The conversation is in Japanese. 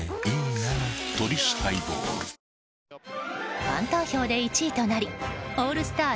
「トリスハイボール」ファン投票で１位となりオールスター